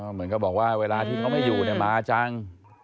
เหมือนกับบอกว่าเวลาที่เขาไม่อยู่มาจัง